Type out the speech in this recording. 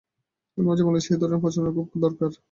এর মাঝে বাংলাদেশের এ ধরনের প্রচারণা খুব দরকার।